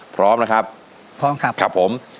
พร้อมนะครับพร้อมครับครับผม